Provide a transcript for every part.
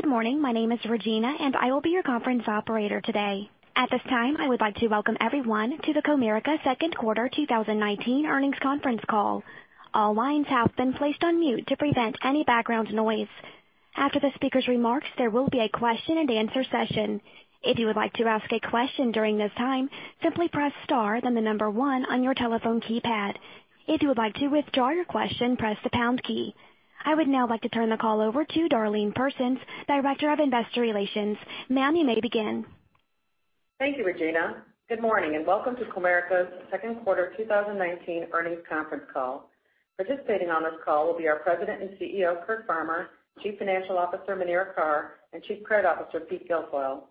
Good morning. My name is Regina. I will be your conference operator today. At this time, I would like to welcome everyone to the Comerica Second Quarter 2019 earnings conference call. All lines have been placed on mute to prevent any background noise. After the speaker's remarks, there will be a question and answer session. If you would like to ask a question during this time, simply press star then the number one on your telephone keypad. If you would like to withdraw your question, press the pound key. I would now like to turn the call over to Darlene Persons, Director of Investor Relations. Ma'am, you may begin. Thank you, Regina. Good morning. Welcome to Comerica's second quarter 2019 earnings conference call. Participating on this call will be our President and CEO, Curt Farmer, Chief Financial Officer, Muneera Carr, and Chief Credit Officer, Pete Guilfoile.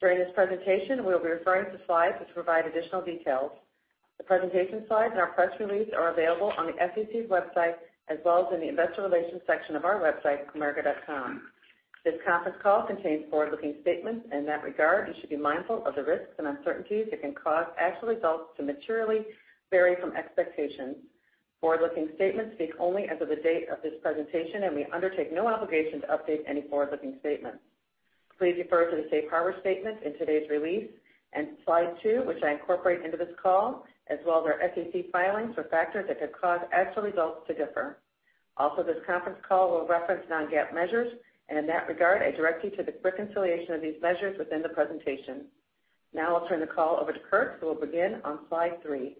During this presentation, we'll be referring to slides which provide additional details. The presentation slides and our press release are available on the SEC's website as well as in the investor relations section of our website, comerica.com. This conference call contains forward-looking statements. In that regard, you should be mindful of the risks and uncertainties that can cause actual results to materially vary from expectations. Forward-looking statements speak only as of the date of this presentation. We undertake no obligation to update any forward-looking statements. Please refer to the safe harbor statement in today's release and slide two, which I incorporate into this call, as well as our SEC filings for factors that could cause actual results to differ. Also, this conference call will reference non-GAAP measures. In that regard, I direct you to the reconciliation of these measures within the presentation. Now I'll turn the call over to Curt, who will begin on slide three.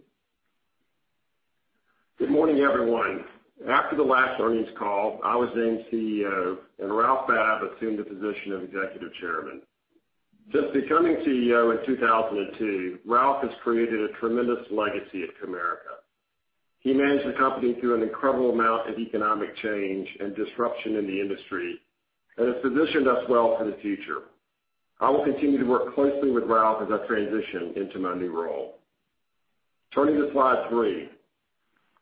Good morning, everyone. After the last earnings call, I was named CEO. Ralph Babb assumed the position of Executive Chairman. Since becoming CEO in 2002, Ralph has created a tremendous legacy at Comerica. He managed the company through an incredible amount of economic change and disruption in the industry and has positioned us well for the future. I will continue to work closely with Ralph as I transition into my new role. Turning to slide three.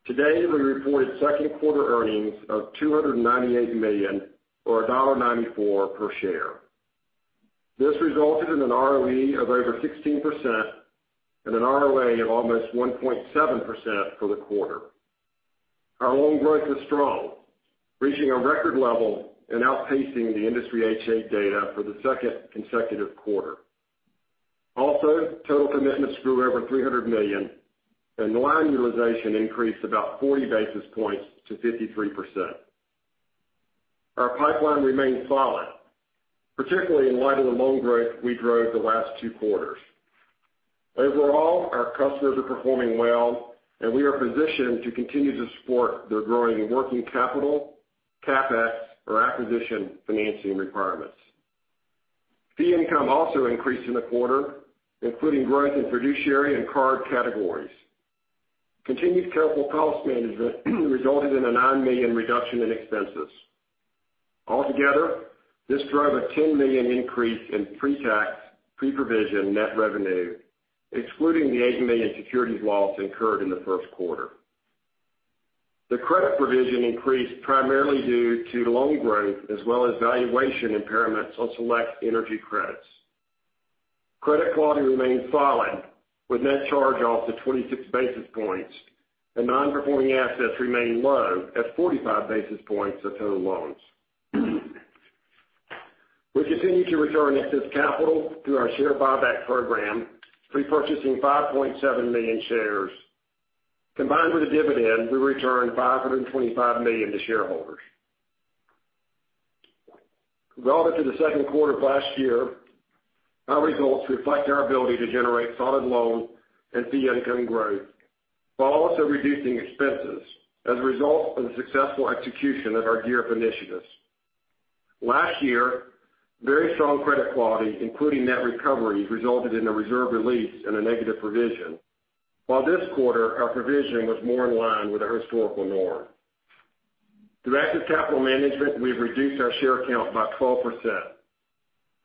Today, we reported second quarter earnings of $298 million or $1.94 per share. This resulted in an ROE of over 16% and an ROA of almost 1.7% for the quarter. Our loan growth was strong, reaching a record level and outpacing the industry H.8 data for the second consecutive quarter. Also, total commitments grew over $300 million. Line utilization increased about 40 basis points to 53%. Our pipeline remains solid, particularly in light of the loan growth we drove the last two quarters. Overall, our customers are performing well, and we are positioned to continue to support their growing working capital, CapEx or acquisition financing requirements. Fee income also increased in the quarter, including growth in fiduciary and card categories. Continued careful cost management resulted in a $9 million reduction in expenses. Altogether, this drove a $10 million increase in pre-tax, pre-provision net revenue, excluding the $8 million securities loss incurred in the first quarter. The credit provision increased primarily due to loan growth as well as valuation impairments on select energy credits. Credit quality remains solid with net charge-offs of 26 basis points, and non-performing assets remain low at 45 basis points of total loans. We continue to return excess capital through our share buyback program, repurchasing 5.7 million shares. Combined with the dividend, we returned $525 million to shareholders. Relative to the second quarter of last year, our results reflect our ability to generate solid loan and fee income growth while also reducing expenses as a result of the successful execution of our GEAR Up initiatives. Last year, very strong credit quality, including net recoveries, resulted in a reserve release and a negative provision. While this quarter, our provision was more in line with our historical norm. Through active capital management, we've reduced our share count by 12%.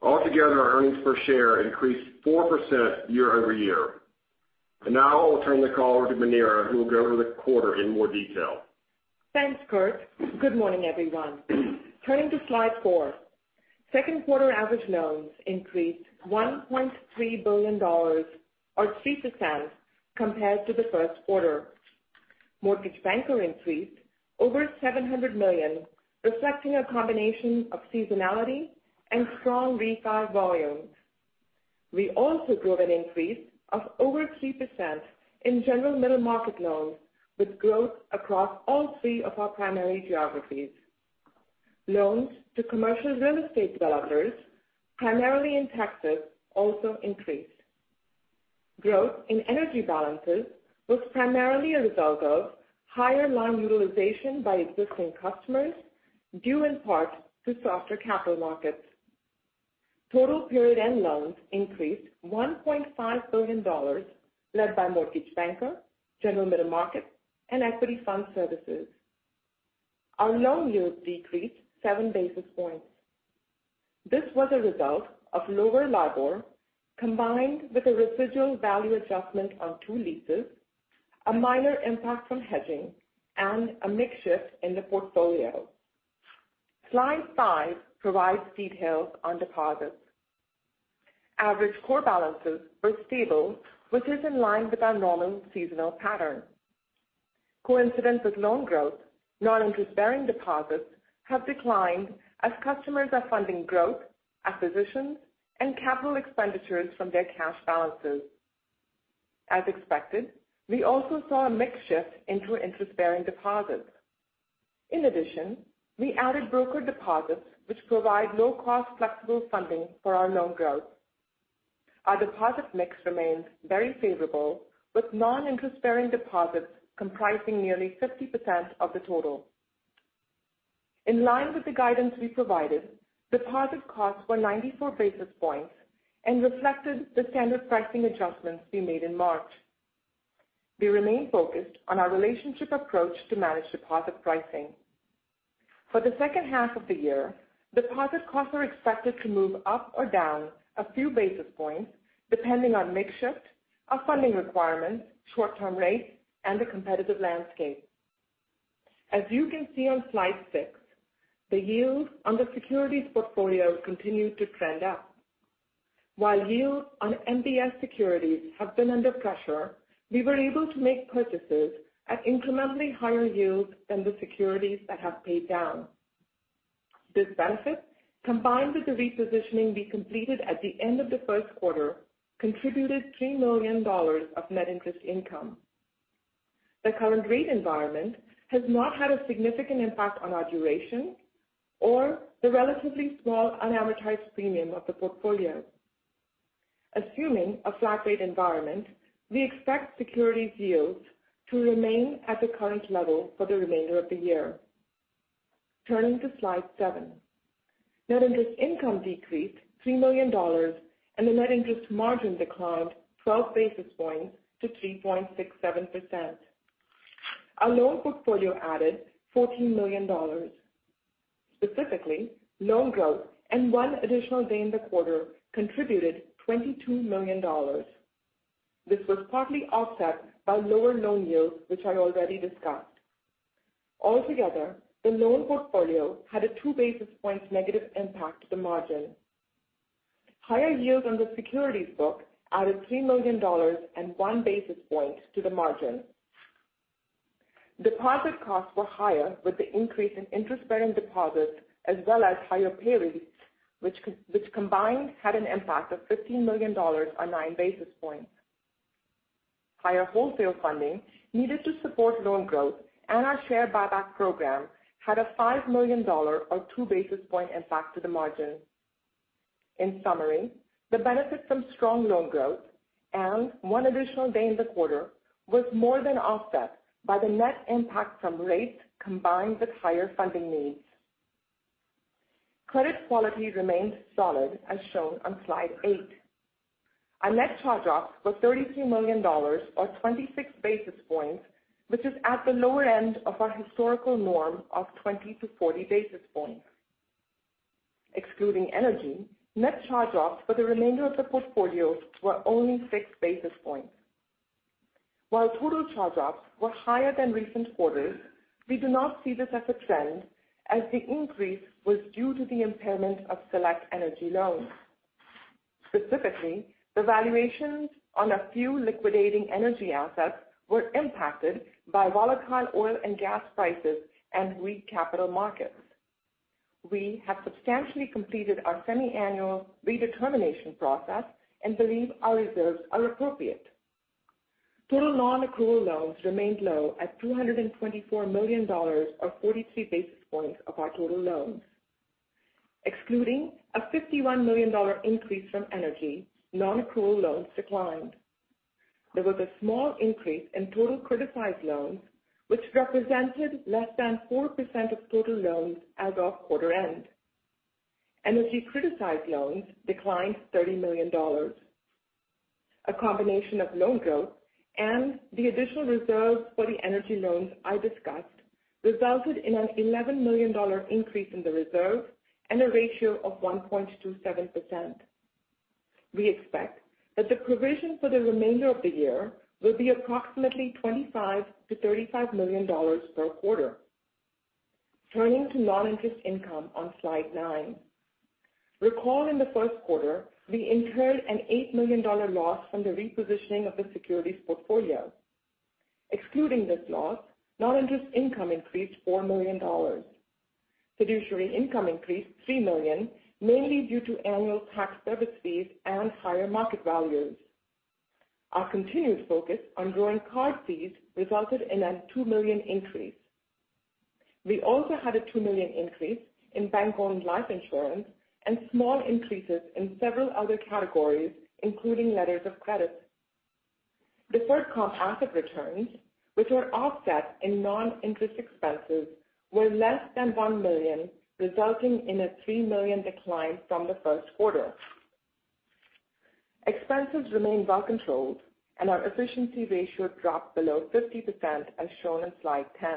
Altogether, our earnings per share increased 4% year-over-year. Now I will turn the call over to Muneera, who will go over the quarter in more detail. Thanks, Curt. Good morning, everyone. Turning to slide four. Second quarter average loans increased $1.3 billion or 3% compared to the first quarter. Mortgage banker increased over $700 million, reflecting a combination of seasonality and strong refi volumes. We also grew an increase of over 3% in general middle market loans with growth across all three of our primary geographies. Loans to commercial real estate developers, primarily in Texas, also increased. Growth in energy balances was primarily a result of higher loan utilization by existing customers, due in part to softer capital markets. Total period-end loans increased $1.5 billion, led by mortgage banker, general middle market, and equity fund services. Our loan yields decreased seven basis points. This was a result of lower LIBOR, combined with a residual value adjustment on two leases, a minor impact from hedging, and a mix shift in the portfolio. Slide five provides details on deposits. Average core balances were stable, which is in line with our normal seasonal pattern. Coincident with loan growth, non-interest-bearing deposits have declined as customers are funding growth, acquisitions, and capital expenditures from their cash balances. As expected, we also saw a mix shift into interest-bearing deposits. In addition, we added broker deposits, which provide low-cost, flexible funding for our loan growth. Our deposit mix remains very favorable, with non-interest-bearing deposits comprising nearly 50% of the total. In line with the guidance we provided, deposit costs were 94 basis points and reflected the standard pricing adjustments we made in March. We remain focused on our relationship approach to manage deposit pricing. For the second half of the year, deposit costs are expected to move up or down a few basis points, depending on mix shift, our funding requirements, short-term rates, and the competitive landscape. As you can see on slide six, the yield on the securities portfolio continued to trend up. While yields on MBS securities have been under pressure, we were able to make purchases at incrementally higher yields than the securities that have paid down. This benefit, combined with the repositioning we completed at the end of the first quarter, contributed $3 million of net interest income. The current rate environment has not had a significant impact on our duration or the relatively small unamortized premium of the portfolio. Assuming a flat rate environment, we expect securities yields to remain at the current level for the remainder of the year. Turning to slide seven. Net interest income decreased $3 million, and the net interest margin declined 12 basis points to 3.67%. Our loan portfolio added $14 million. Specifically, loan growth and one additional day in the quarter contributed $22 million. This was partly offset by lower loan yields, which I already discussed. Altogether, the loan portfolio had a two basis points negative impact to the margin. Higher yields on the securities book added $3 million and one basis point to the margin. Deposit costs were higher with the increase in interest-bearing deposits as well as higher pay rates, which combined had an impact of $15 million or nine basis points. Higher wholesale funding needed to support loan growth and our share buyback program had a $5 million or two basis point impact to the margin. In summary, the benefit from strong loan growth and one additional day in the quarter was more than offset by the net impact from rates combined with higher funding needs. Credit quality remains solid as shown on slide eight. Our net charge-offs were $33 million or 26 basis points, which is at the lower end of our historical norm of 20-40 basis points. Excluding energy, net charge-offs for the remainder of the portfolios were only six basis points. While total charge-offs were higher than recent quarters, we do not see this as a trend as the increase was due to the impairment of select energy loans. Specifically, the valuations on a few liquidating energy assets were impacted by volatile oil and gas prices and weak capital markets. We have substantially completed our semi-annual redetermination process and believe our reserves are appropriate. Total non-accrual loans remained low at $224 million or 43 basis points of our total loans. Excluding a $51 million increase from energy, non-accrual loans declined. There was a small increase in total criticized loans, which represented less than 4% of total loans as of quarter end. Energy criticized loans declined $30 million. A combination of loan growth and the additional reserves for the energy loans I discussed resulted in an $11 million increase in the reserve and a ratio of 1.27%. We expect that the provision for the remainder of the year will be approximately $25 million-$35 million per quarter. Turning to non-interest income on slide nine. Recall in the first quarter, we incurred an $8 million loss from the repositioning of the securities portfolio. Excluding this loss, non-interest income increased $4 million. Fiduciary income increased $3 million, mainly due to annual tax service fees and higher market values. Our continued focus on growing card fees resulted in a $2 million increase. We also had a $2 million increase in bank-owned life insurance and small increases in several other categories, including letters of credit. Deferred comp asset returns, which were offset in non-interest expenses, were less than $1 million, resulting in a $3 million decline from the first quarter. Expenses remained well controlled, and our efficiency ratio dropped below 50%, as shown in slide 10.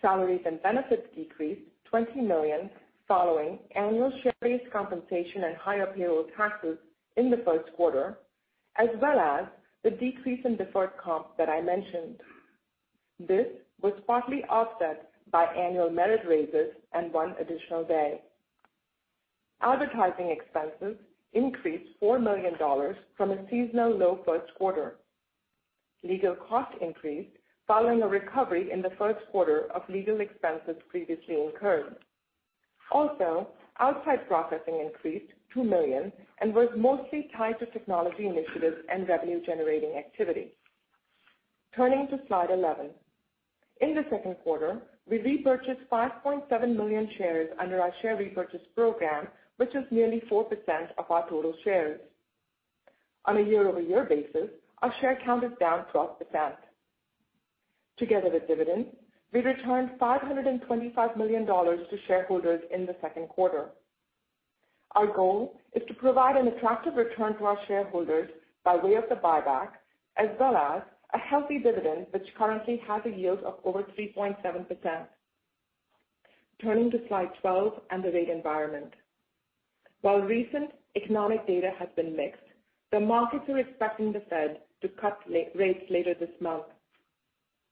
Salaries and benefits decreased $20 million following annual share-based compensation and higher payroll taxes in the first quarter, as well as the decrease in deferred comp that I mentioned. This was partly offset by annual merit raises and one additional day. Advertising expenses increased $4 million from a seasonal low first quarter. Legal costs increased following a recovery in the first quarter of legal expenses previously incurred. Outside processing increased $2 million and was mostly tied to technology initiatives and revenue-generating activity. Turning to slide 11. In the second quarter, we repurchased 5.7 million shares under our share repurchase program, which is nearly 4% of our total shares. On a year-over-year basis, our share count is down 12%. Together with dividends, we returned $525 million to shareholders in the second quarter. Our goal is to provide an attractive return to our shareholders by way of the buyback as well as a healthy dividend, which currently has a yield of over 3.7%. Turning to slide 12 and the rate environment. While recent economic data has been mixed, the markets are expecting the Fed to cut rates later this month.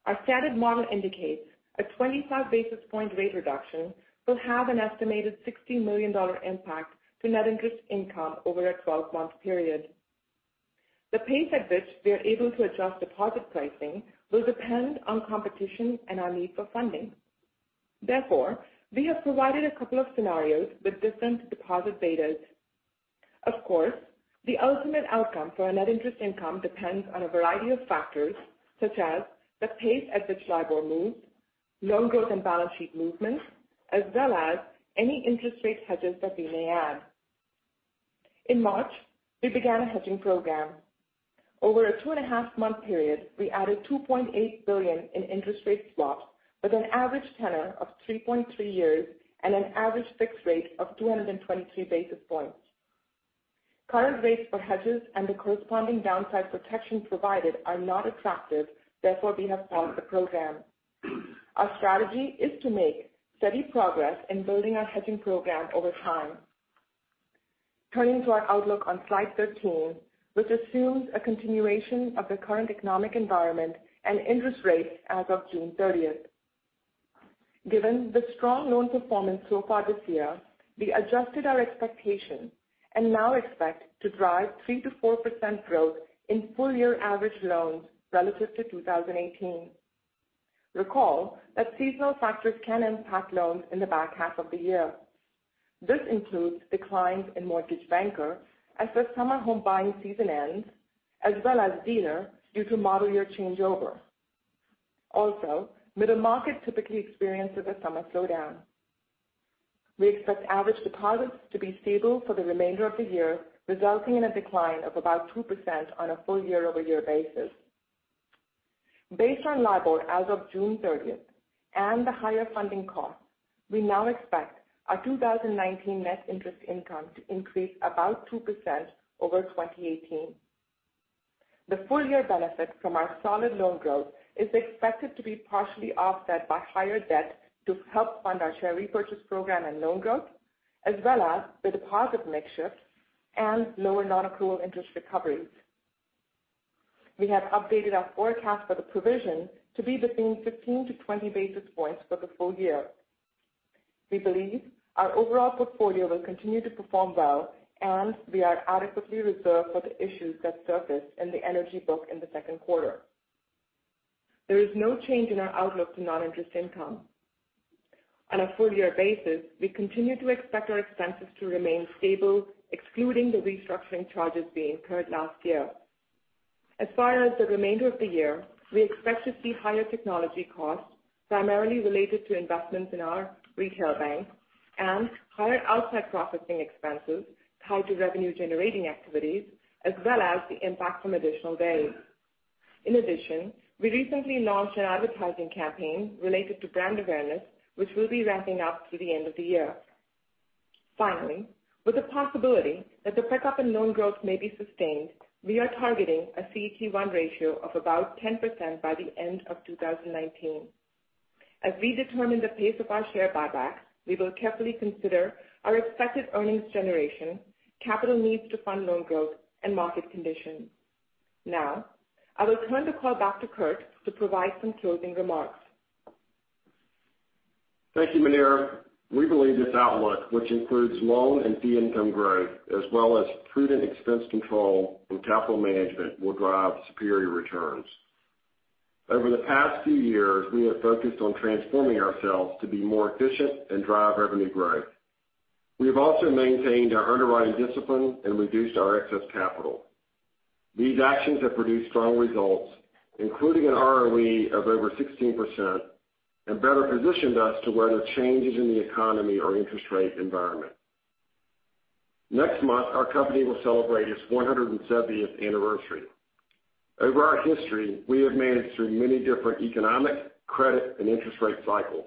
Our standard model indicates a 25-basis-point rate reduction will have an estimated $60 million impact to net interest income over a 12-month period. The pace at which we are able to adjust deposit pricing will depend on competition and our need for funding. We have provided a couple of scenarios with different deposit betas. Of course, the ultimate outcome for our net interest income depends on a variety of factors such as the pace at which LIBOR moves, loan growth and balance sheet movements, as well as any interest rate hedges that we may add. In March, we began a hedging program. Over a two-and-a-half-month period, we added $2.8 billion in interest rate swaps with an average tenor of 3.3 years and an average fixed rate of 223 basis points. Current rates for hedges and the corresponding downside protection provided are not attractive; we have paused the program. Our strategy is to make steady progress in building our hedging program over time. Turning to our outlook on slide 13, which assumes a continuation of the current economic environment and interest rates as of June 30th. Given the strong loan performance so far this year, we adjusted our expectations and now expect to drive 3%-4% growth in full-year average loans relative to 2018. Recall that seasonal factors can impact loans in the back half of the year. This includes declines in mortgage banker as the summer home buying season ends, as well as dealer due to model year changeover. Middle market typically experiences a summer slowdown. We expect average deposits to be stable for the remainder of the year, resulting in a decline of about 2% on a full year-over-year basis. Based on LIBOR as of June 30th and the higher funding costs, we now expect our 2019 net interest income to increase about 2% over 2018. The full-year benefit from our solid loan growth is expected to be partially offset by higher debt to help fund our share repurchase program and loan growth, as well as the deposit mix shift and lower non-accrual interest recoveries. We have updated our forecast for the provision to be between 15-20 basis points for the full year. We believe our overall portfolio will continue to perform well and we are adequately reserved for the issues that surfaced in the energy book in the second quarter. There is no change in our outlook to non-interest income. On a full-year basis, we continue to expect our expenses to remain stable, excluding the restructuring charges we incurred last year. As far as the remainder of the year, we expect to see higher technology costs, primarily related to investments in our retail bank, and higher outside processing expenses tied to revenue-generating activities, as well as the impact from additional days. In addition, we recently launched an advertising campaign related to brand awareness, which we'll be ramping up through the end of the year. Finally, with the possibility that the pickup in loan growth may be sustained, we are targeting a CET1 ratio of about 10% by the end of 2019. As we determine the pace of our share buybacks, we will carefully consider our expected earnings generation, capital needs to fund loan growth, and market conditions. I will turn the call back to Curt to provide some closing remarks. Thank you, Muneera. We believe this outlook, which includes loan and fee income growth as well as prudent expense control and capital management, will drive superior returns. Over the past few years, we have focused on transforming ourselves to be more efficient and drive revenue growth. We have also maintained our underwriting discipline and reduced our excess capital. These actions have produced strong results, including an ROE of over 16%, and better positioned us to weather changes in the economy or interest rate environment. Next month, our company will celebrate its 170th anniversary. Over our history, we have managed through many different economic, credit, and interest rate cycles.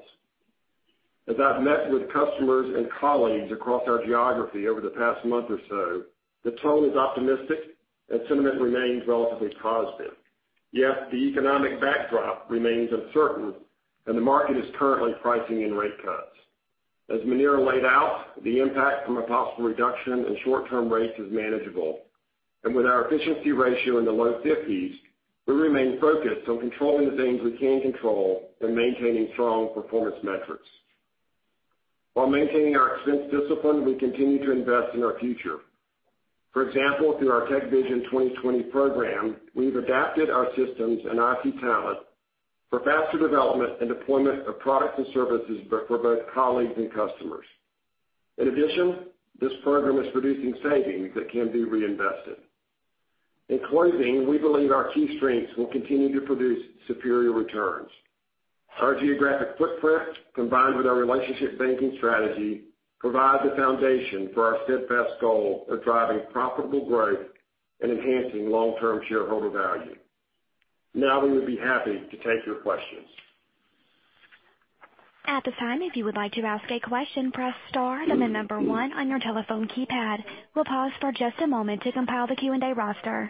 As I've met with customers and colleagues across our geography over the past month or so, the tone is optimistic and sentiment remains relatively positive. The economic backdrop remains uncertain and the market is currently pricing in rate cuts. As Muneera laid out, the impact from a possible reduction in short-term rates is manageable. With our efficiency ratio in the low 50s, we remain focused on controlling the things we can control and maintaining strong performance metrics. While maintaining our expense discipline, we continue to invest in our future. For example, through our TechVision 2020 program, we've adapted our systems and IT talent for faster development and deployment of products and services for both colleagues and customers. In addition, this program is producing savings that can be reinvested. In closing, we believe our key strengths will continue to produce superior returns. Our geographic footprint, combined with our relationship banking strategy, provides a foundation for our steadfast goal of driving profitable growth and enhancing long-term shareholder value. Now we would be happy to take your questions. At this time, if you would like to ask a question, press star and then number one on your telephone keypad. We'll pause for just a moment to compile the Q&A roster.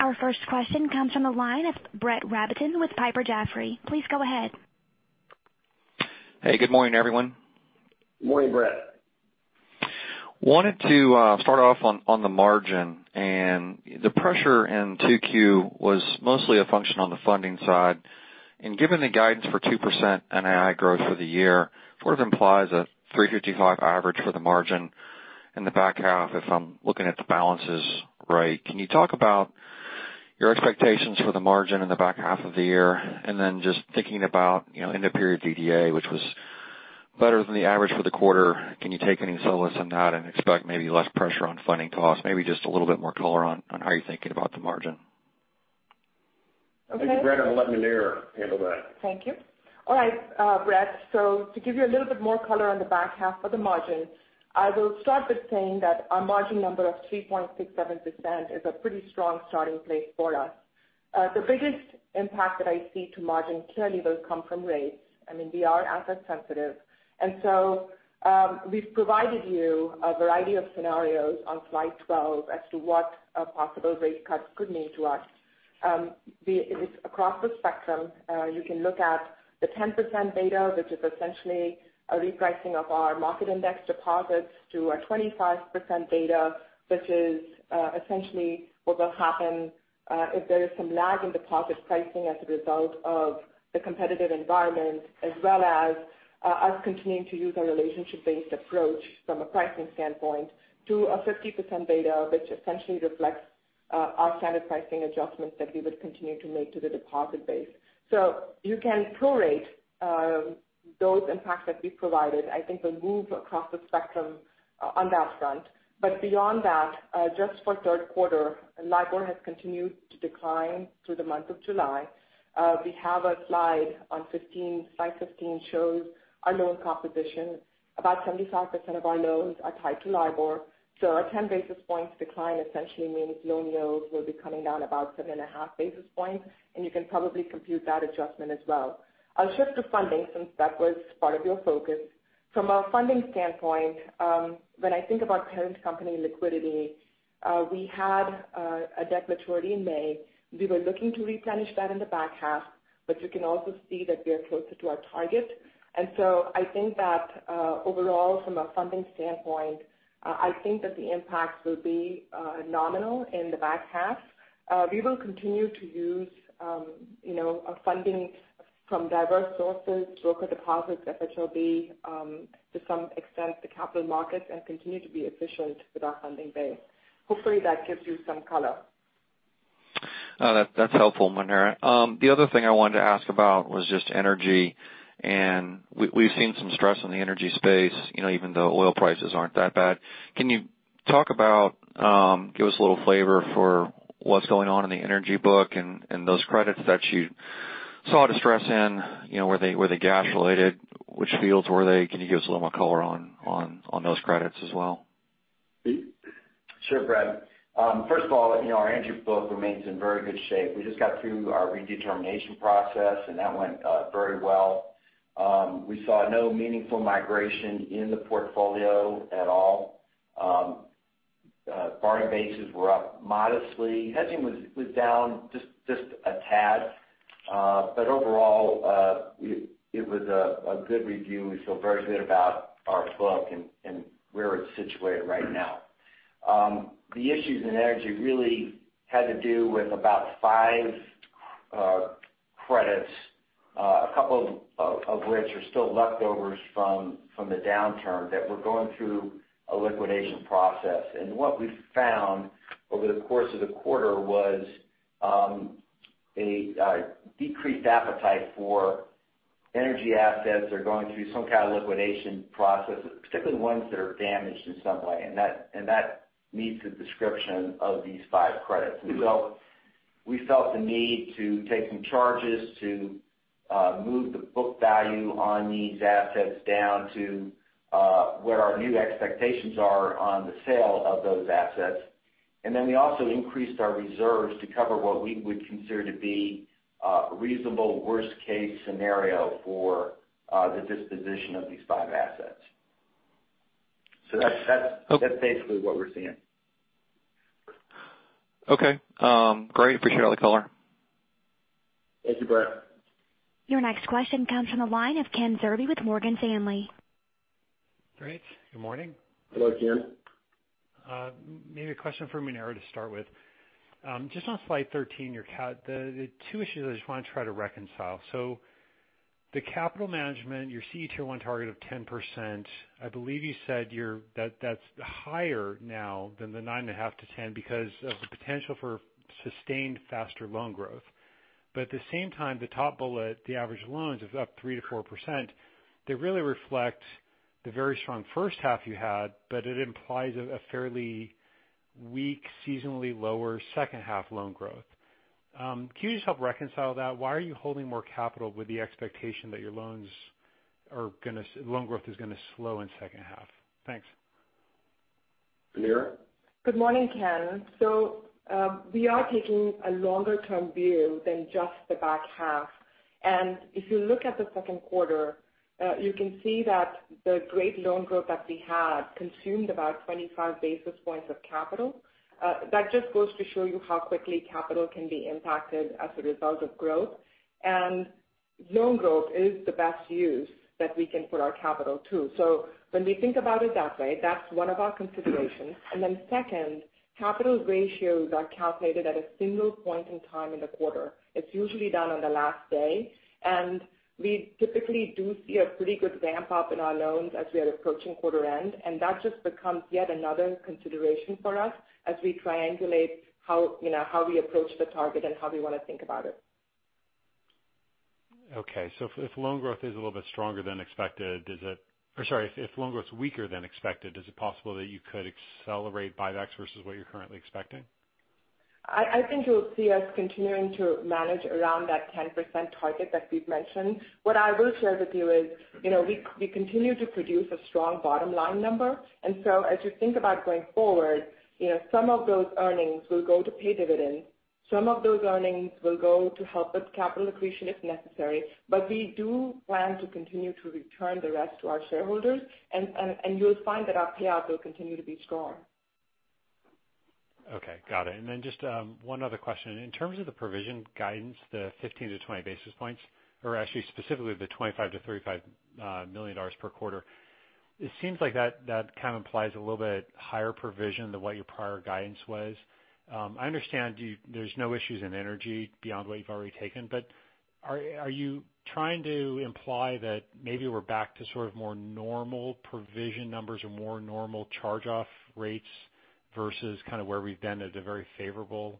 Our first question comes from the line of Brett Rabatin with Piper Jaffray. Please go ahead. Hey, good morning, everyone. Morning, Brett. Wanted to start off on the margin. The pressure in 2Q was mostly a function on the funding side. Given the guidance for 2% NII growth for the year, sort of implies a 355 average for the margin in the back half if I'm looking at the balances right. Can you talk about your expectations for the margin in the back half of the year? Just thinking about end of period DDA, which was better than the average for the quarter, can you take any solace in that and expect maybe less pressure on funding costs? Maybe just a little bit more color on how you're thinking about the margin. Okay. Brett, I'm going to let Muneera handle that. Thank you. All right, Brett. To give you a little bit more color on the back half of the margin, I will start with saying that our margin number of 3.67% is a pretty strong starting place for us. The biggest impact that I see to margin clearly will come from rates. We are asset sensitive. We've provided you a variety of scenarios on slide 12 as to what a possible rate cut could mean to us. It's across the spectrum. You can look at the 10% beta, which is essentially a repricing of our market index deposits to a 25% beta, which is essentially what will happen if there is some lag in deposit pricing as a result of the competitive environment, as well as us continuing to use a relationship-based approach from a pricing standpoint to a 50% beta, which essentially reflects our standard pricing adjustments that we would continue to make to the deposit base. You can prorate those impacts that we provided. I think we'll move across the spectrum on that front. Beyond that, just for third quarter, LIBOR has continued to decline through the month of July. We have a slide on 15. Slide 15 shows our loan composition. About 75% of our loans are tied to LIBOR. Our 10 basis points decline essentially means loan yields will be coming down about seven and a half basis points, and you can probably compute that adjustment as well. I'll shift to funding since that was part of your focus. From a funding standpoint, when I think about parent company liquidity, we had a debt maturity in May. We were looking to replenish that in the back half, but you can also see that we are closer to our target. I think that overall, from a funding standpoint, I think that the impact will be nominal in the back half. We will continue to use our funding from diverse sources, broker deposits, FHLB, to some extent the capital markets, and continue to be efficient with our funding base. Hopefully that gives you some color. That's helpful, Muneera. The other thing I wanted to ask about was just energy. We've seen some stress in the energy space, even though oil prices aren't that bad. Give us a little flavor for what's going on in the energy book and those credits that you saw the stress in, were they gas-related? Which fields were they? Can you give us a little more color on those credits as well? Sure, Brett. First of all, our energy book remains in very good shape. We just got through our redetermination process, that went very well. We saw no meaningful migration in the portfolio at all. Borrowing bases were up modestly. Hedging was down just a tad. Overall, it was a good review. We feel very good about our book and where it's situated right now. The issues in energy really had to do with about five credits, a couple of which are still leftovers from the downturn that were going through a liquidation process. What we found over the course of the quarter was a decreased appetite for energy assets that are going through some kind of liquidation process, particularly the ones that are damaged in some way. That meets the description of these five credits. We felt the need to take some charges to move the book value on these assets down to where our new expectations are on the sale of those assets. We also increased our reserves to cover what we would consider to be a reasonable worst-case scenario for the disposition of these five assets. That's basically what we're seeing. Okay. Great. Appreciate all the color. Thank you, Brett. Your next question comes from the line of Ken Zerbe with Morgan Stanley. Great. Good morning. Hello, Ken. A question for Muneera to start with. Just on slide 13, there are two issues I just want to try to reconcile. The capital management, your CET1 target of 10%, I believe you said that's higher now than the 9.5%-10% because of the potential for sustained faster loan growth. At the same time, the top bullet, the average loans, is up 3%-4%. They really reflect the very strong first half you had, but it implies a fairly weak, seasonally lower second half loan growth. Can you just help reconcile that? Why are you holding more capital with the expectation that your loan growth is going to slow in second half? Thanks. Muneera? Good morning, Ken. We are taking a longer-term view than just the back half. If you look at the second quarter, you can see that the great loan growth that we had consumed about 25 basis points of capital. That just goes to show you how quickly capital can be impacted as a result of growth. Loan growth is the best use that we can put our capital to. When we think about it that way, that's one of our considerations. Then second, capital ratios are calculated at a single point in time in the quarter. It's usually done on the last day, and we typically do see a pretty good ramp-up in our loans as we are approaching quarter end. That just becomes yet another consideration for us as we triangulate how we approach the target and how we want to think about it. If loan growth is a little bit stronger than expected, or sorry if loan growth is weaker than expected, is it possible that you could accelerate buybacks versus what you're currently expecting? I think you'll see us continuing to manage around that 10% target that we've mentioned. What I will share with you is we continue to produce a strong bottom-line number. As you think about going forward, some of those earnings will go to pay dividends. Some of those earnings will go to help with capital accretion if necessary. We do plan to continue to return the rest to our shareholders. You'll find that our payout will continue to be strong. Okay. Got it. Just one other question. In terms of the provision guidance, the 15-20 basis points, or actually specifically the $25 million-$35 million per quarter, it seems like that kind of implies a little bit higher provision than what your prior guidance was. I understand there's no issues in energy beyond what you've already taken, are you trying to imply that maybe we're back to sort of more normal provision numbers or more normal charge-off rates versus kind of where we've been at a very favorable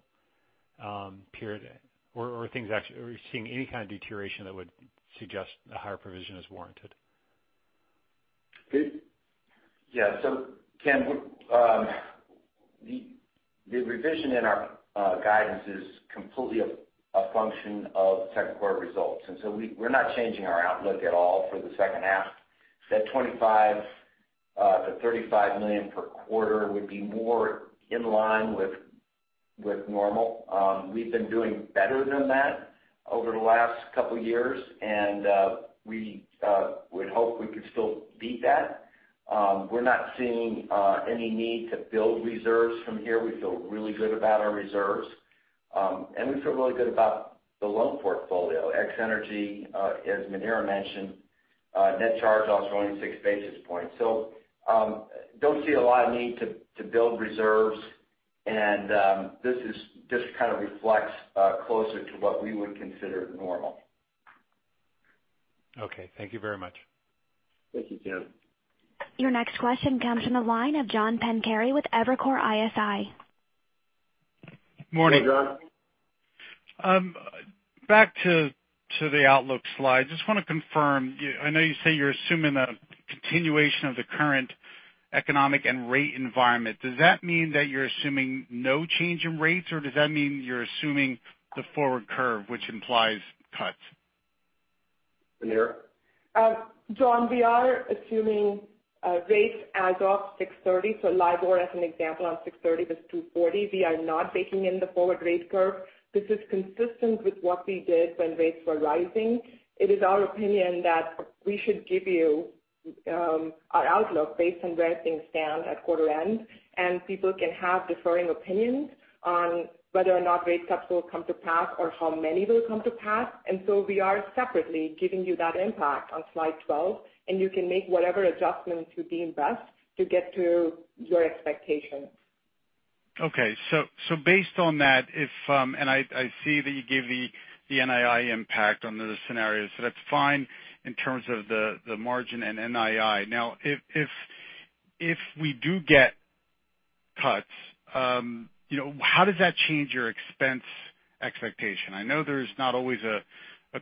period? Are we seeing any kind of deterioration that would suggest a higher provision is warranted? Yeah. Ken, the revision in our guidance is completely a function of second quarter results. We're not changing our outlook at all for the second half. That $25 million-$35 million per quarter would be more in line with normal. We've been doing better than that over the last couple of years, we would hope we could still beat that. We're not seeing any need to build reserves from here. We feel really good about our reserves. We feel really good about the loan portfolio, ex energy as Muneera mentioned, net charge-offs were only six basis points. Don't see a lot of need to build reserves this just kind of reflects closer to what we would consider normal. Okay. Thank you very much. Thank you, Ken. Your next question comes from the line of John Pancari with Evercore ISI. Morning. Hey, John. Back to the outlook slide. Just want to confirm, I know you say you're assuming a continuation of the current economic and rate environment. Does that mean that you're assuming no change in rates, or does that mean you're assuming the forward curve, which implies cuts? Muneera? John, we are assuming rates as of 6/30, so LIBOR as an example on 6/30 was 240. We are not baking in the forward rate curve. This is consistent with what we did when rates were rising. It is our opinion that we should give you our outlook based on where things stand at quarter end, and people can have differing opinions on whether or not rate cuts will come to pass or how many will come to pass. We are separately giving you that impact on slide 12, and you can make whatever adjustments you deem best to get to your expectations. Okay. Based on that, and I see that you gave the NII impact on the scenarios, so that's fine in terms of the margin and NII. Now if we do get cuts, how does that change your expense expectation? I know there's not always a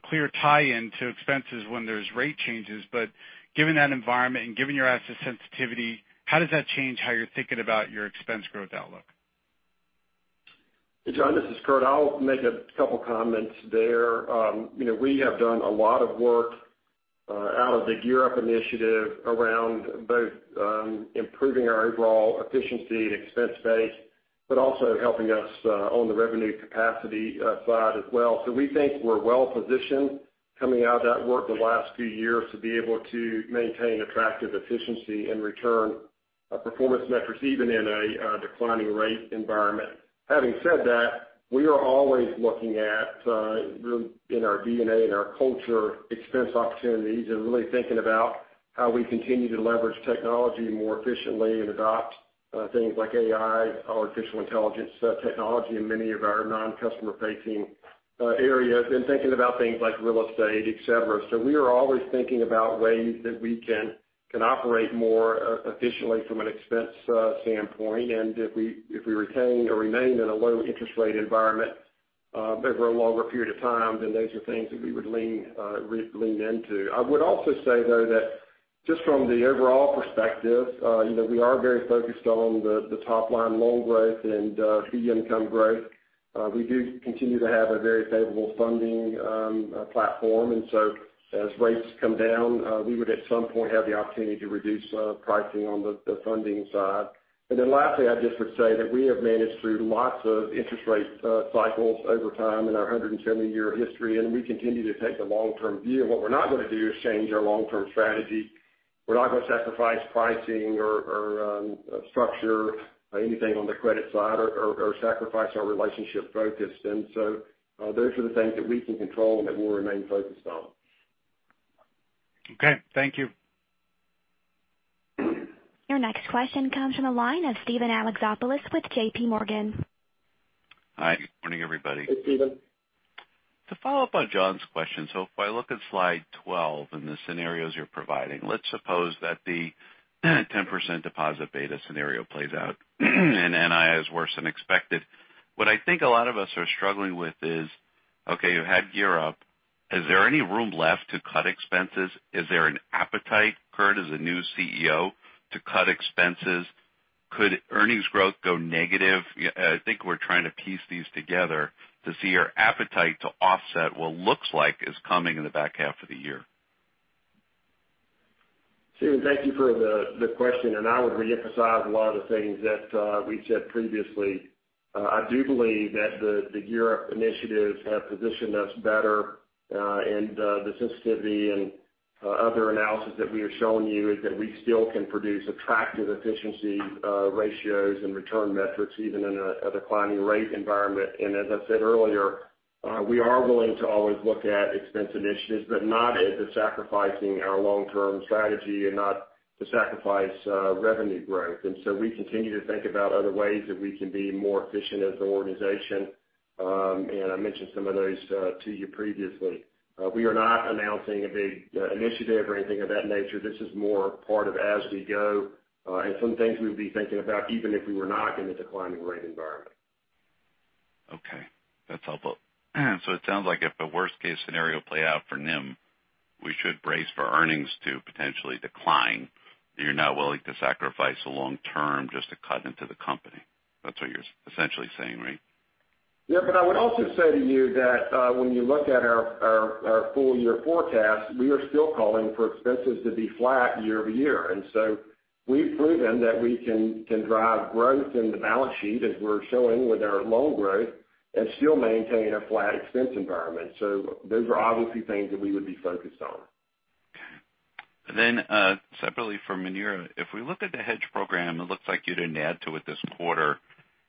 clear tie-in to expenses when there's rate changes, but given that environment and given your asset sensitivity, how does that change how you're thinking about your expense growth outlook? Hey, John, this is Curt. I'll make a couple comments there. We have done a lot of work out of the GEAR Up initiative around both improving our overall efficiency and expense base, but also helping us on the revenue capacity side as well. We think we're well positioned coming out of that work the last few years to be able to maintain attractive efficiency and return performance metrics even in a declining rate environment. Having said that, we are always looking at, in our DNA and our culture, expense opportunities and really thinking about how we continue to leverage technology more efficiently and adopt things like AI, artificial intelligence technology in many of our non-customer facing areas, and thinking about things like real estate, et cetera. We are always thinking about ways that we can operate more efficiently from an expense standpoint. If we retain or remain in a low interest rate environment over a longer period of time, those are things that we would lean into. I would also say, though, that just from the overall perspective, we are very focused on the top-line loan growth and fee income growth. We do continue to have a very favorable funding platform. As rates come down, we would at some point have the opportunity to reduce pricing on the funding side. Lastly, I just would say that we have managed through lots of interest rate cycles over time in our 170-year history, and we continue to take the long-term view. What we're not going to do is change our long-term strategy. We're not going to sacrifice pricing or structure anything on the credit side or sacrifice our relationship focus. Those are the things that we can control and that we'll remain focused on. Okay, thank you. Your next question comes from the line of Steven Alexopoulos with JPMorgan. Hi, good morning, everybody. Hey, Steven. To follow up on John's question, if I look at slide 12 and the scenarios you're providing, let's suppose that the 10% deposit beta scenario plays out and NII is worse than expected. What I think a lot of us are struggling with is, okay, you had GEAR Up. Is there any room left to cut expenses? Is there an appetite, Curt, as a new CEO to cut expenses? Could earnings growth go negative? I think we're trying to piece these together to see your appetite to offset what looks like is coming in the back half of the year. Steven, thank you for the question. I would reemphasize a lot of things that we said previously. I do believe that the GEAR Up initiatives have positioned us better in the sensitivity and other analysis that we are showing you is that we still can produce attractive efficiency ratios and return metrics even in a declining rate environment. As I said earlier, we are willing to always look at expense initiatives, but not at the sacrificing our long-term strategy and not to sacrifice revenue growth. We continue to think about other ways that we can be more efficient as an organization. I mentioned some of those to you previously. We are not announcing a big initiative or anything of that nature. This is more part of as we go, and some things we'd be thinking about even if we were not in a declining rate environment. Okay, that's helpful. It sounds like if a worst case scenario play out for NIM, we should brace for earnings to potentially decline, but you're not willing to sacrifice the long-term just to cut into the company. That's what you're essentially saying, right? Yeah, but I would also say to you that when you look at our full-year forecast, we are still calling for expenses to be flat year-over-year. We've proven that we can drive growth in the balance sheet as we're showing with our loan growth and still maintain a flat expense environment. Those are obviously things that we would be focused on. Okay. Separately for Muneera, if we look at the hedge program, it looks like you didn't add to it this quarter.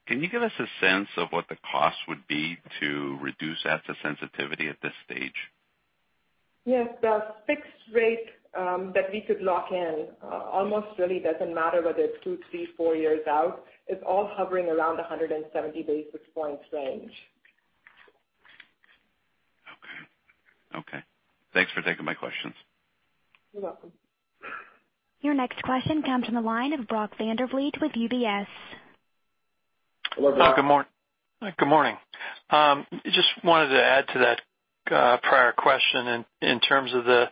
Can you give us a sense of what the cost would be to reduce asset sensitivity at this stage? Yes. The fixed rate that we could lock in almost really doesn't matter whether it's two, three, four years out. It's all hovering around 170 basis points range. Okay. Thanks for taking my questions. You're welcome. Your next question comes from the line of Brock Vandervliet with UBS. Hello, Brock. Good morning. Just wanted to add to that prior question in terms of the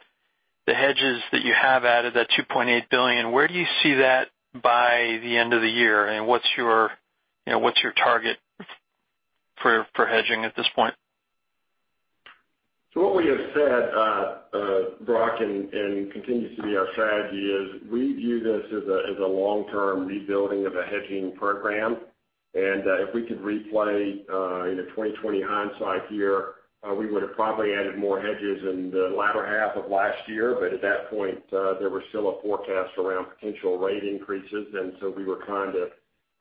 hedges that you have added, that $2.8 billion. Where do you see that by the end of the year, and what's your target for hedging at this point? What we have said, Brock, continues to be our strategy is we view this as a long-term rebuilding of a hedging program. If we could replay in a 2020 hindsight here, we would have probably added more hedges in the latter half of last year. At that point, there was still a forecast around potential rate increases, we were trying to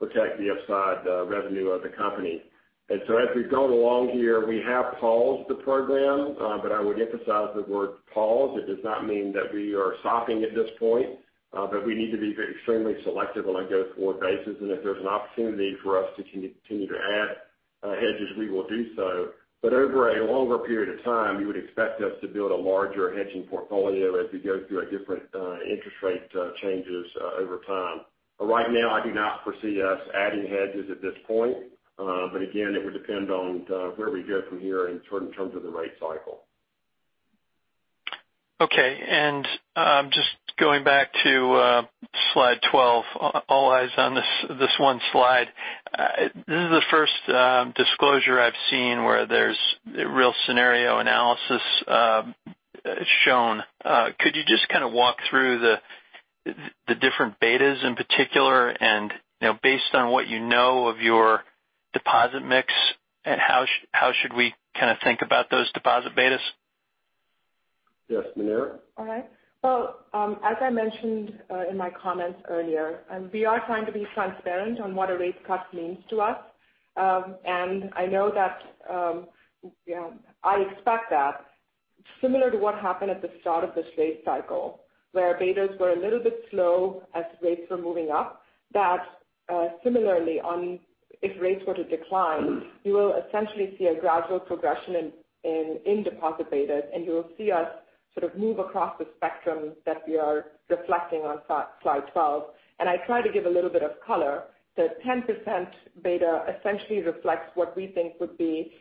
protect the upside revenue of the company. As we've gone along here, we have paused the program, I would emphasize the word paused. It does not mean that we are stopping at this point, we need to be extremely selective on a go-forward basis. If there's an opportunity for us to continue to add hedges, we will do so. Over a longer period of time, you would expect us to build a larger hedging portfolio as we go through different interest rate changes over time. Right now, I do not foresee us adding hedges at this point. Again, it would depend on where we go from here in terms of the rate cycle. Okay. Just going back to slide twelve, all eyes on this one slide. This is the first disclosure I've seen where there's real scenario analysis shown. Could you just kind of walk through the different betas in particular, and based on what you know of your deposit mix and how should we think about those deposit betas? Yes, Muneera. All right. Well, as I mentioned in my comments earlier, we are trying to be transparent on what a rate cut means to us. I know that I expect that similar to what happened at the start of this rate cycle, where betas were a little bit slow as rates were moving up, that similarly if rates were to decline, you will essentially see a gradual progression in deposit betas. You will see us sort of move across the spectrum that we are reflecting on slide 12. I tried to give a little bit of color. The 10% beta essentially reflects what we think would be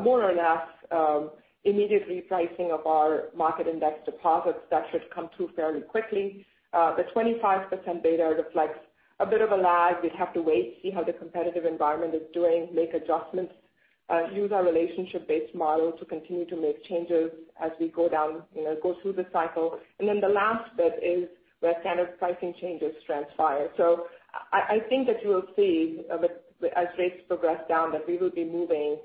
more or less immediate repricing of our market index deposits. That should come through fairly quickly. The 25% beta reflects a bit of a lag. We'd have to wait, see how the competitive environment is doing, make adjustments, use our relationship-based model to continue to make changes as we go through the cycle. The last bit is where standard pricing changes transpire. I think that you will see as rates progress down, that we will be moving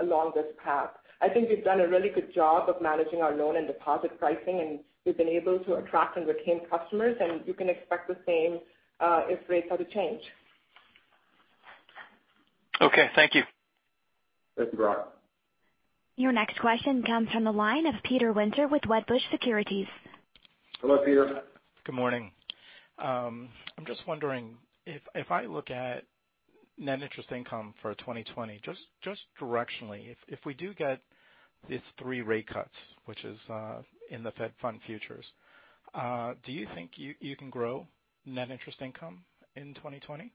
along this path. I think we've done a really good job of managing our loan and deposit pricing. We've been able to attract and retain customers, and you can expect the same, if rates are to change. Okay. Thank you. Thank you, Brock. Your next question comes from the line of Peter Winter with Wedbush Securities. Hello, Peter. Good morning. I'm just wondering if I look at net interest income for 2020, just directionally, if we do get these three rate cuts, which is in the Fed Funds futures, do you think you can grow net interest income in 2020?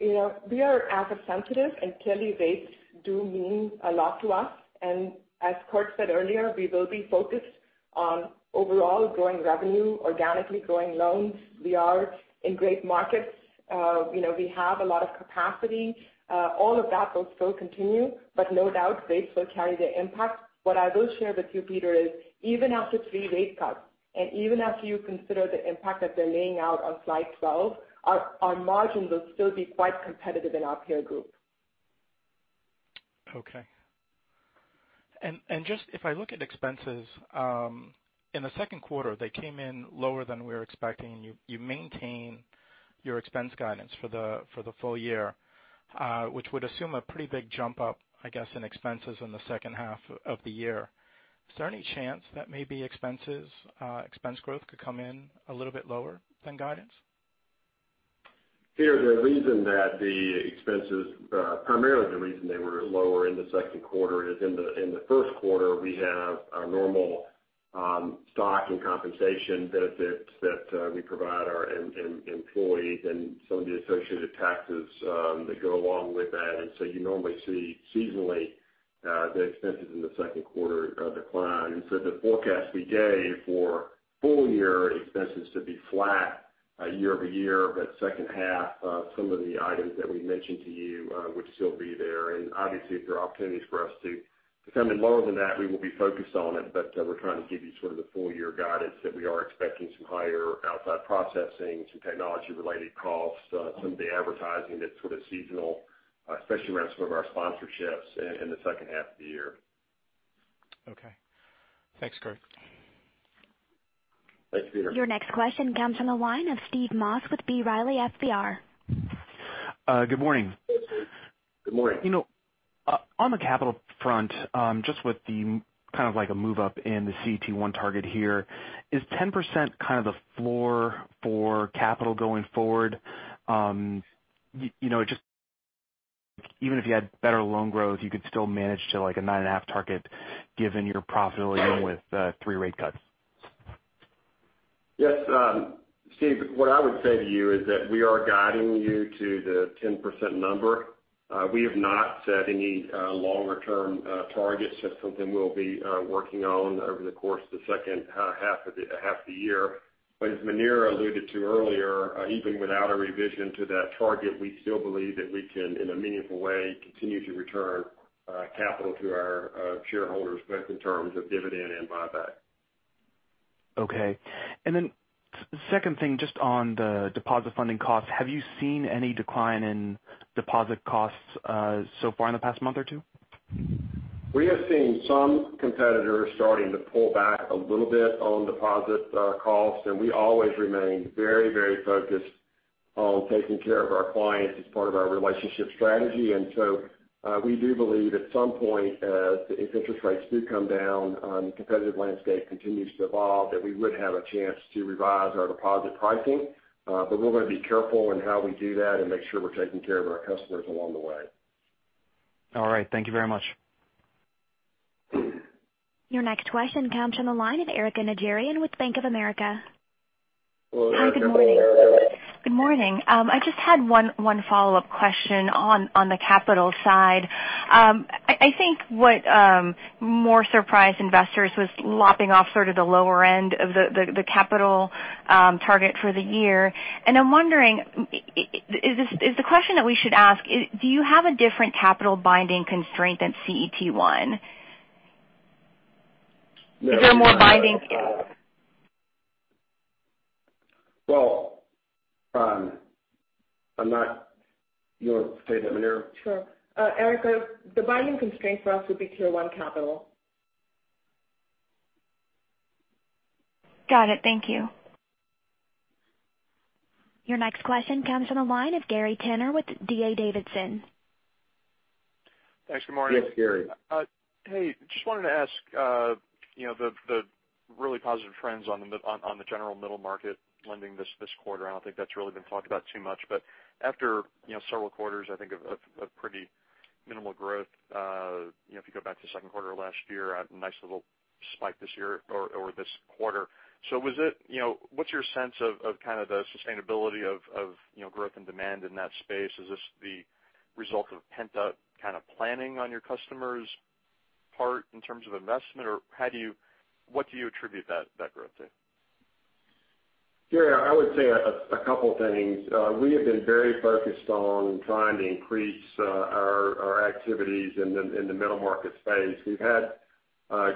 We are asset sensitive. Clearly rates do mean a lot to us. As Curt said earlier, we will be focused on overall growing revenue, organically growing loans. We are in great markets. We have a lot of capacity. All of that will still continue, but no doubt rates will carry the impact. What I will share with you, Peter, is even after three rate cuts, and even after you consider the impact that they're laying out on slide 12, our margins will still be quite competitive in our peer group. Okay. If I look at expenses, in the second quarter they came in lower than we were expecting, and you maintain your expense guidance for the full year, which would assume a pretty big jump up, I guess, in expenses in the second half of the year. Is there any chance that maybe expense growth could come in a little bit lower than guidance? Peter, primarily the reason they were lower in the second quarter is in the first quarter, we have our normal stock and compensation benefits that we provide our employees and some of the associated taxes that go along with that. You normally see seasonally the expenses in the second quarter decline. The forecast we gave for full year expenses to be flat year-over-year, but second half, some of the items that we mentioned to you would still be there. Obviously if there are opportunities for us to come in lower than that, we will be focused on it. We're trying to give you sort of the full year guidance that we are expecting some higher outside processing, some technology related costs, some of the advertising that's sort of seasonal, especially around some of our sponsorships in the second half of the year. Okay. Thanks, Curt. Thanks, Peter. Your next question comes from the line of Steve Moss with B. Riley FBR. Good morning. Good morning. On the capital front, just with the move up in the CET1 target here. Is 10% the floor for capital going forward? Even if you had better loan growth, you could still manage to a nine and a half target given your profitability even with the three rate cuts. Yes. Steve, what I would say to you is that we are guiding you to the 10% number. We have not set any longer-term targets. That is something we will be working on over the course of the second half of the year. As Muneera alluded to earlier, even without a revision to that target, we still believe that we can, in a meaningful way, continue to return capital to our shareholders, both in terms of dividend and buyback. Okay. Second thing, just on the deposit funding costs, have you seen any decline in deposit costs so far in the past month or two? We have seen some competitors starting to pull back a little bit on deposit costs, and we always remain very focused on taking care of our clients as part of our relationship strategy. We do believe at some point, if interest rates do come down, the competitive landscape continues to evolve, that we would have a chance to revise our deposit pricing. We're going to be careful in how we do that and make sure we're taking care of our customers along the way. All right. Thank you very much. Your next question comes from the line of Erika Najarian with Bank of America. Hello, Erika. Hi, good morning. Good morning. I just had one follow-up question on the capital side. I think what more surprised investors was lopping off sort of the lower end of the capital target for the year, and I'm wondering is the question that we should ask is, do you have a different capital binding constraint than CET1? Is there more binding Well, You want to take that, Muneera? Sure. Erika, the binding constraint for us would be Tier 1 capital. Got it. Thank you. Your next question comes from the line of Gary Tenner with D.A. Davidson. Thanks. Good morning. Yes, Gary. Just wanted to ask the really positive trends on the general middle market lending this quarter. I don't think that's really been talked about too much, but after several quarters, I think of pretty minimal growth. If you go back to the second quarter of last year, a nice little spike this year or this quarter. What's your sense of kind of the sustainability of growth and demand in that space? Is this the result of pent-up kind of planning on your customers' part in terms of investment? What do you attribute that growth to? Gary, I would say a couple things. We have been very focused on trying to increase our activities in the middle market space. We've had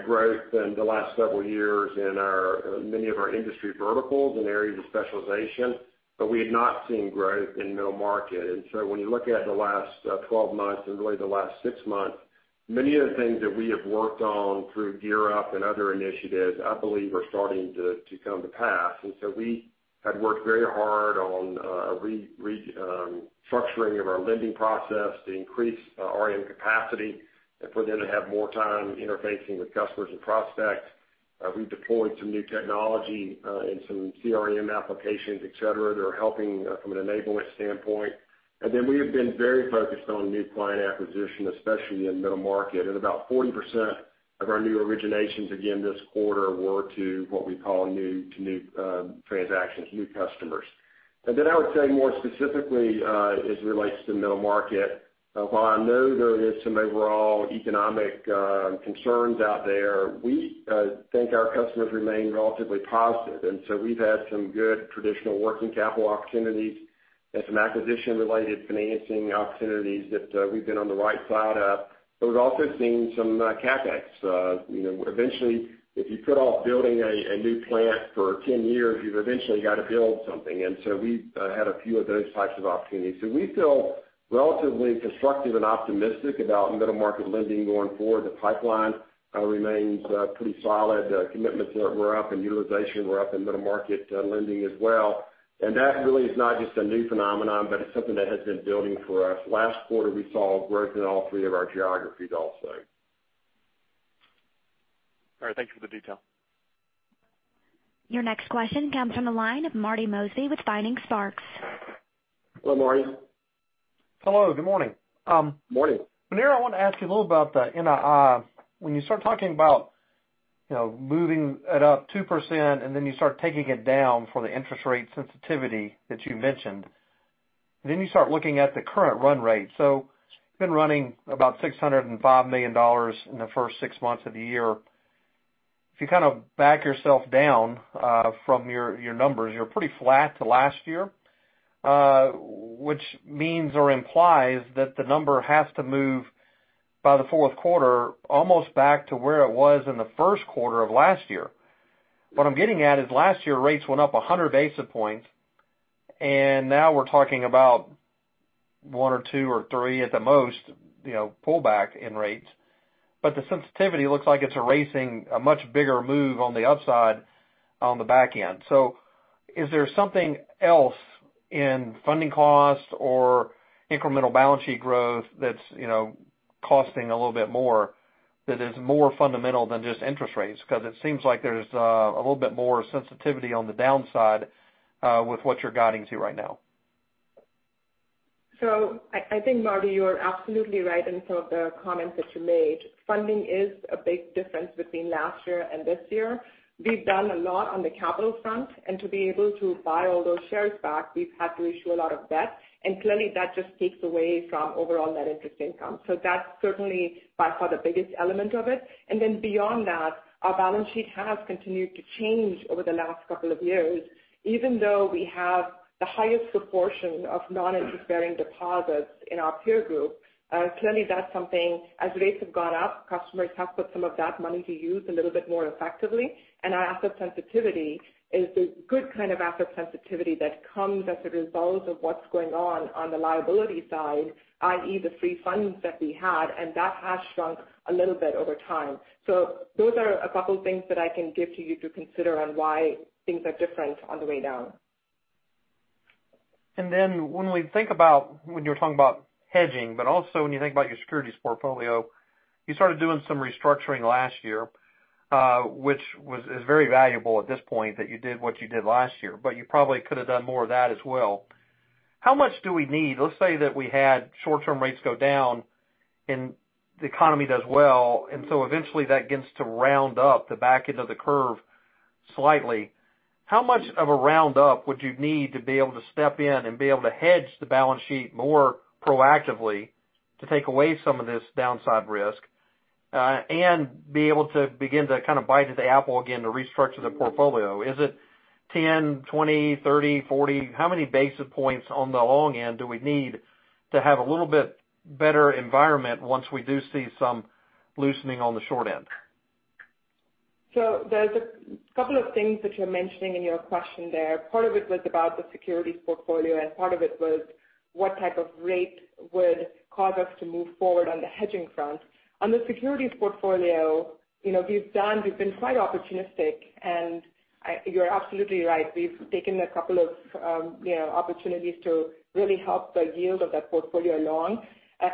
growth in the last several years in many of our industry verticals and areas of specialization, but we had not seen growth in middle market. When you look at the last 12 months and really the last six months, many of the things that we have worked on through GEAR Up and other initiatives, I believe are starting to come to pass. We had worked very hard on restructuring of our lending process to increase RM capacity and for them to have more time interfacing with customers and prospects. We deployed some new technology and some CRM applications, et cetera, that are helping from an enablement standpoint. We have been very focused on new client acquisition, especially in middle market. About 40% of our new originations, again, this quarter, were to what we call new-to-new transactions, new customers. I would say more specifically, as it relates to middle market, while I know there is some overall economic concerns out there, we think our customers remain relatively positive. We've had some good traditional working capital opportunities and some acquisition-related financing opportunities that we've been on the right side of. We've also seen some CapEx. Eventually, if you put off building a new plant for 10 years, you've eventually got to build something. We've had a few of those types of opportunities. We feel relatively constructive and optimistic about middle market lending going forward. The pipeline remains pretty solid. Commitments were up and utilization were up in middle market lending as well. That really is not just a new phenomenon, but it's something that has been building for us. Last quarter, we saw growth in all three of our geographies also. All right. Thank you for the detail. Your next question comes from the line of Marty Mosby with Vining Sparks. Hello, Marty. Hello, good morning. Morning. Muneera, I want to ask you a little about the NII. When you start talking about moving it up 2% and then you start taking it down for the interest rate sensitivity that you mentioned, then you start looking at the current run rate. You've been running about $605 million in the first six months of the year. If you kind of back yourself down from your numbers, you're pretty flat to last year, which means or implies that the number has to move by the fourth quarter almost back to where it was in the first quarter of last year. What I'm getting at is last year rates went up 100 basis points, and now we're talking about one or two or three at the most pullback in rates. The sensitivity looks like it's erasing a much bigger move on the upside on the back end. Is there something else in funding costs or incremental balance sheet growth that's costing a little bit more, that is more fundamental than just interest rates? It seems like there's a little bit more sensitivity on the downside with what you're guiding to right now. I think, Marty, you are absolutely right in some of the comments that you made. Funding is a big difference between last year and this year. We've done a lot on the capital front, and to be able to buy all those shares back, we've had to issue a lot of debt, and clearly that just takes away from overall net interest income. That's certainly by far the biggest element of it. Then beyond that, our balance sheet has continued to change over the last couple of years. Even though we have the highest proportion of non-interest-bearing deposits in our peer group, clearly that's something as rates have gone up, customers have put some of that money to use a little bit more effectively. Our asset sensitivity is the good kind of asset sensitivity that comes as a result of what's going on the liability side, i.e., the free funds that we had, and that has shrunk a little bit over time. Those are a couple things that I can give to you to consider on why things are different on the way down. When we think about when you were talking about hedging, but also when you think about your securities portfolio, you started doing some restructuring last year, which is very valuable at this point that you did what you did last year, but you probably could have done more of that as well. How much do we need? Let's say that we had short-term rates go down and the economy does well, and so eventually that gets to round up the back end of the curve slightly. How much of a round up would you need to be able to step in and be able to hedge the balance sheet more proactively to take away some of this downside risk, and be able to begin to kind of bite at the apple again to restructure the portfolio? Is it 10, 20, 30, 40? How many basis points on the long end do we need to have a little bit better environment once we do see some loosening on the short end? There's a couple of things that you're mentioning in your question there. Part of it was about the securities portfolio, and part of it was what type of rate would cause us to move forward on the hedging front. On the securities portfolio, we've been quite opportunistic, and you're absolutely right. We've taken a couple of opportunities to really help the yield of that portfolio along.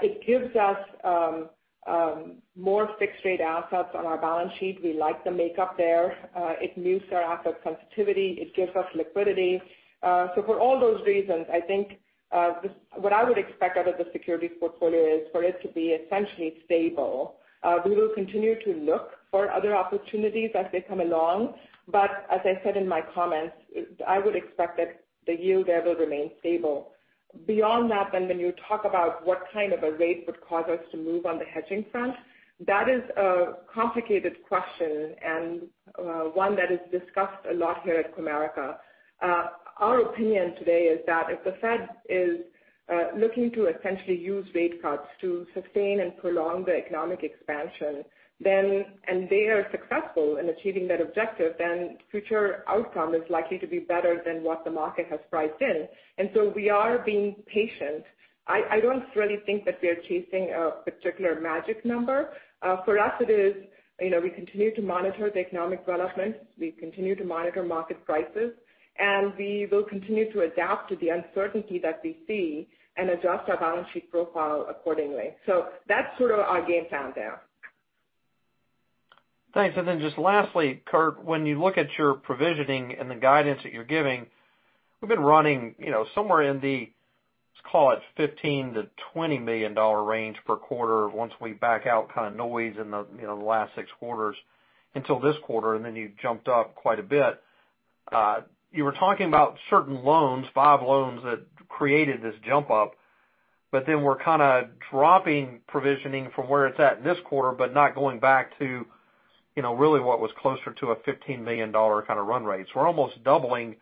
It gives us more fixed rate assets on our balance sheet. We like the makeup there. It moves our asset sensitivity. It gives us liquidity. For all those reasons, I think what I would expect out of the securities portfolio is for it to be essentially stable. We will continue to look for other opportunities as they come along. As I said in my comments, I would expect that the yield there will remain stable. Beyond that, when you talk about what kind of a rate would cause us to move on the hedging front, that is a complicated question and one that is discussed a lot here at Comerica. Our opinion today is that if the Fed is looking to essentially use rate cuts to sustain and prolong the economic expansion, and they are successful in achieving that objective, then future outcome is likely to be better than what the market has priced in. We are being patient. I don't really think that we are chasing a particular magic number. For us it is, we continue to monitor the economic development, we continue to monitor market prices, and we will continue to adapt to the uncertainty that we see and adjust our balance sheet profile accordingly. That's sort of our game plan there. Thanks. Just lastly, Curt, when you look at your provisioning and the guidance that you're giving, we've been running somewhere in the, let's call it $15 million-$20 million range per quarter once we back out kind of noise in the last six quarters until this quarter, then you jumped up quite a bit. You were talking about certain loans, five loans that created this jump up, but then we're kind of dropping provisioning from where it's at this quarter, but not going back to really what was closer to a $15 million kind of run rate. We're almost doubling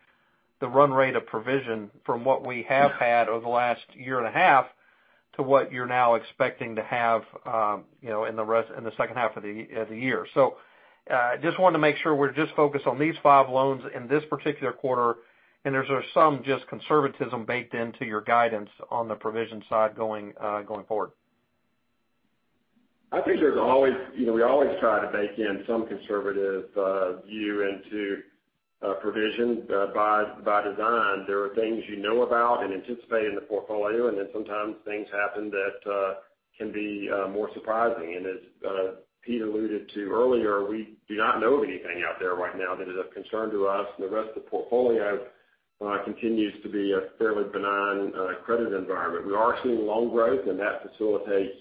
the run rate of provision from what we have had over the last year and a half to what you're now expecting to have in the second half of the year. Just wanted to make sure we're just focused on these five loans in this particular quarter, and there's some just conservatism baked into your guidance on the provision side going forward. I think we always try to bake in some conservative view into provision by design. There are things you know about and anticipate in the portfolio, then sometimes things happen that can be more surprising. As Pete alluded to earlier, we do not know of anything out there right now that is of concern to us, and the rest of the portfolio continues to be a fairly benign credit environment. We are seeing loan growth and that facilitates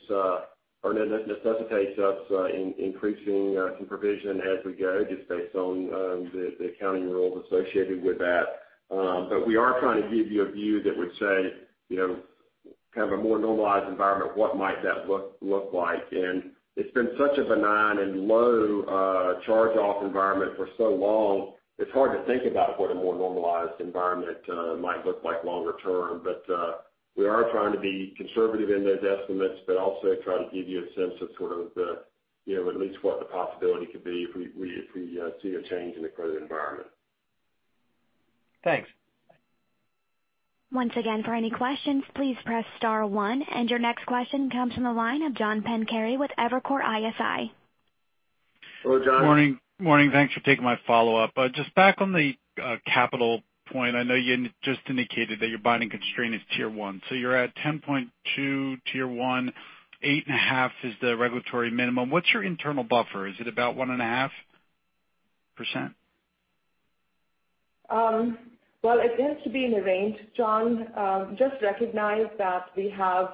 or no, that necessitates us increasing some provision as we go, just based on the accounting rules associated with that. We are trying to give you a view that would say, kind of a more normalized environment, what might that look like? It's been such a benign and low charge-off environment for so long, it's hard to think about what a more normalized environment might look like longer term. We are trying to be conservative in those estimates, but also try to give you a sense of sort of the, at least what the possibility could be if we see a change in the credit environment. Thanks. Once again, for any questions, please press star one. Your next question comes from the line of John Pancari with Evercore ISI. Hello, John. Morning. Thanks for taking my follow-up. Just back on the capital point. I know you just indicated that your binding constraint is Tier 1. You're at 10.2% Tier 1, 8.5% is the regulatory minimum. What's your internal buffer? Is it about 1.5%? Well, it tends to be in the range, John. Just recognize that we have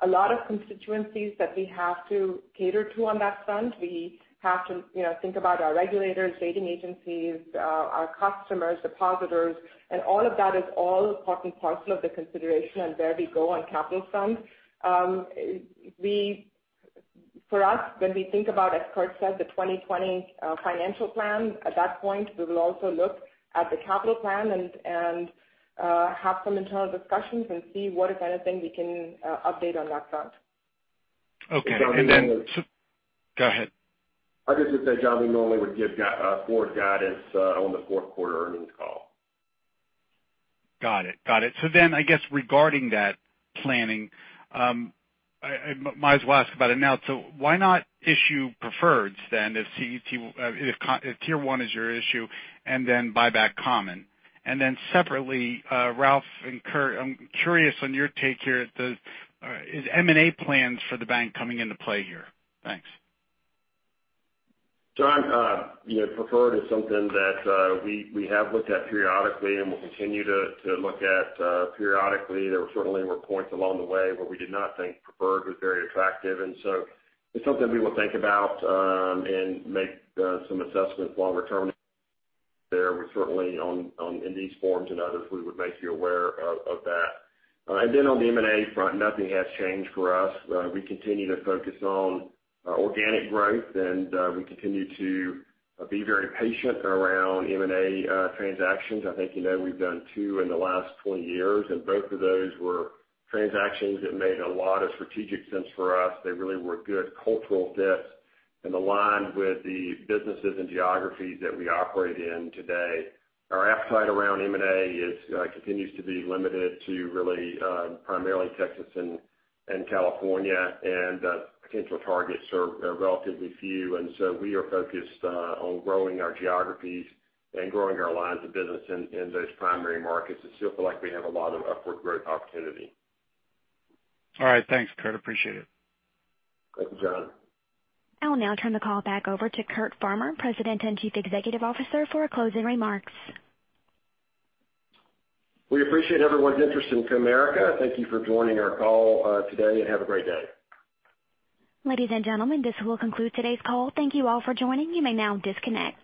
a lot of constituencies that we have to cater to on that front. We have to think about our regulators, rating agencies, our customers, depositors, and all of that is all important parcel of the consideration and where we go on capital front. For us, when we think about, as Curt said, the 2020 financial plan, at that point, we will also look at the capital plan and have some internal discussions and see what kind of thing we can update on that front. Okay. John. Go ahead. I was just going to say, John, we normally would give forward guidance on the fourth quarter earnings call. Got it. I guess regarding that planning, I might as well ask about it now. Why not issue preferreds then if Tier 1 is your issue and then buy back common? Separately, Ralph and Curt, I'm curious on your take here at the, is M&A plans for the bank coming into play here? Thanks. John, preferred is something that we have looked at periodically and will continue to look at periodically. There certainly were points along the way where we did not think preferred was very attractive. It's something we will think about and make some assessments longer term there. We certainly in these forums and others, we would make you aware of that. On the M&A front, nothing has changed for us. We continue to focus on organic growth and we continue to be very patient around M&A transactions. I think you know we've done two in the last 20 years, and both of those were transactions that made a lot of strategic sense for us. They really were good cultural fits and aligned with the businesses and geographies that we operate in today. Our appetite around M&A continues to be limited to really primarily Texas and California, and potential targets are relatively few. We are focused on growing our geographies and growing our lines of business in those primary markets and still feel like we have a lot of upward growth opportunity. All right. Thanks, Curt, appreciate it. Thank you, John. I will now turn the call back over to Curt Farmer, President and Chief Executive Officer, for closing remarks. We appreciate everyone's interest in Comerica. Thank you for joining our call today and have a great day. Ladies and gentlemen, this will conclude today's call. Thank you all for joining. You may now disconnect.